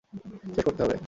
শেষ করতে হবে।